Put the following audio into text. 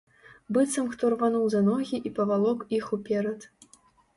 Быццам хто рвануў за ногі і павалок іх уперад.